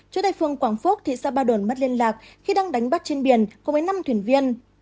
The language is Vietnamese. chú tài phương quảng phúc thị xã ba đồn mất liên lạc khi đang đánh bắt trên biển cùng với năm thuyền viên